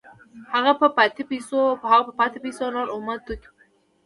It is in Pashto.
هغه په پاتې پیسو نور اومه توکي پېري